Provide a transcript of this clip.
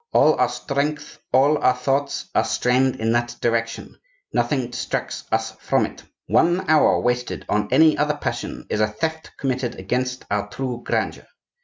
All our strength, all our thoughts are strained in that direction; nothing distracts us from it. One hour wasted on any other passion is a theft committed against our true grandeur.